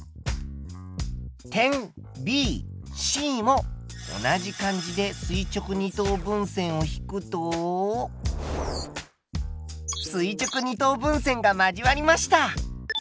点ＢＣも同じ感じで垂直二等分線を引くと垂直二等分線が交わりました。